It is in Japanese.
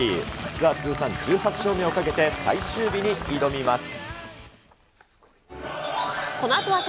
ツアー通算１８勝目をかけて、最終日に挑みます。